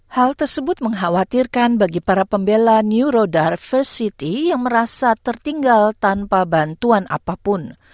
hal tersebut mengkhawatirkan bagi para pembela newro dirversity yang merasa tertinggal tanpa bantuan apapun